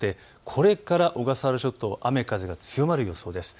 これから小笠原諸島、雨、風、強まる予想です。